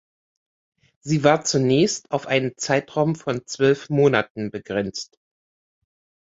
Sie war zunächst auf einen Zeitraum von zwölf Monaten begrenzt.